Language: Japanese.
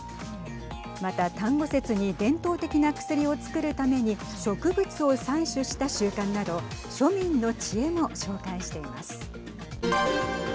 また、端午節に伝統的な薬を作るために植物を採取した習慣など庶民の知恵も紹介しています。